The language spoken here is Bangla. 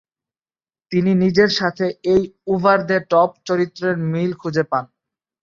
তিনি নিজের সাথে এই "ওভার-দ্য-টপ" চরিত্রের মিল খুঁজে পান।